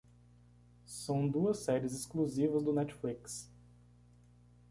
São duas séries exclusivas do Netflix